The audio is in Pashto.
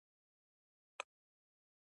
کارګران په اسانۍ سره دې ته نشي متوجه کېدای